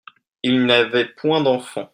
Ils n'avaient point d'enfants